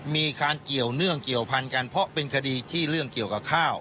มีการเกี่ยวเนื่องเกี่ยวพันกันเพราะเป็นคดีที่เรื่องเกี่ยวกับข้าว